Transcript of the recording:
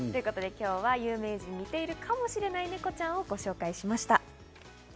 今日は有名人に似ているかもしれないネコちゃんをご紹介しました。